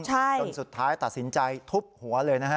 จนสุดท้ายตัดสินใจทุบหัวเลยนะฮะ